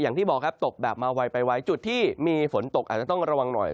อย่างที่บอกครับตกแบบมาไวไปไวจุดที่มีฝนตกอาจจะต้องระวังหน่อย